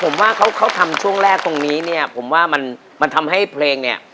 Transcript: ผมว่าเขาเขาทำช่วงแรกตรงนี้เนี่ยผมว่ามันมันทำให้เพลงเนี่ย